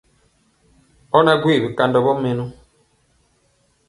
Ɔ na gwee bikandɔ vɔ mɛnɔ.